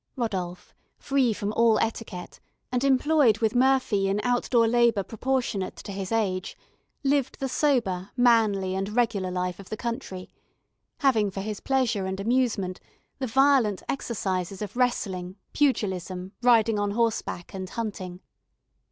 Rodolph, free from all etiquette, and employed with Murphy in outdoor labour proportionate to his age, lived the sober, manly, and regular life of the country, having for his pleasure and amusement the violent exercises of wrestling, pugilism, riding on horseback, and hunting.